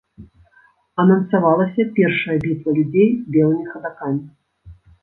Анансавалася першая бітва людзей з белымі хадакамі.